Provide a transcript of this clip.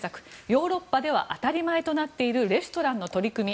ヨーロッパでは当たり前となっているレストランの取り組み